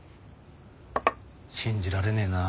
信じられねえな。